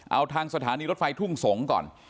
เอาทางสถานีรถไฟทุ่งสงศ์ก่อน